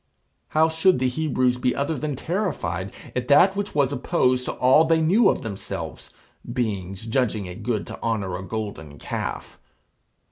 How should the Hebrews be other than terrified at that which was opposed to all they knew of themselves, beings judging it good to honour a golden calf?